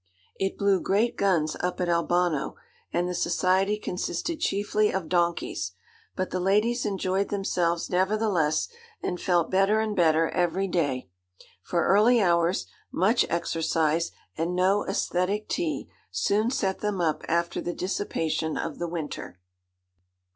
It blew great guns up at Albano, and the society consisted chiefly of donkeys. But the ladies enjoyed themselves nevertheless, and felt better and better every day; for early hours, much exercise, and no æsthetic tea, soon set them up after the dissipation of the winter.